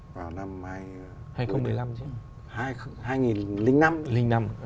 vào năm hai nghìn một mươi năm chứ